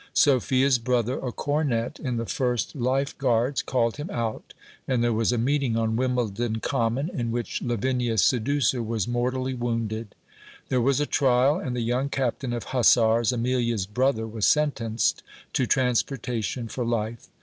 Sophia's brother, a cornet in the First Life Guards, called him out, and there was a meeting on Wimbledon Common, in which Lavinia's seducer was mortally wounded. There was a trial, and the young captain of Hussars, Amelia's brother, was sentenced to transportation for life.